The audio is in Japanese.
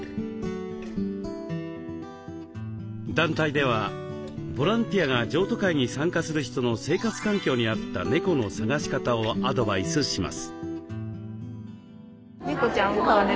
団体ではボランティアが譲渡会に参加する人の生活環境に合った猫の探し方をアドバイスします。